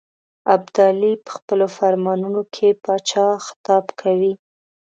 ابدالي په خپلو فرمانونو کې پاچا خطاب کوي.